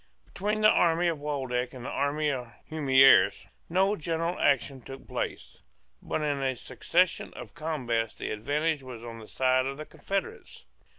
Between the army of Waldeck and the army of Humieres no general action took place: but in a succession of combats the advantage was on the side of the confederates.